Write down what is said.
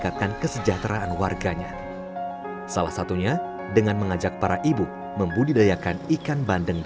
tak hanya dipasarkan di wilayah pangkep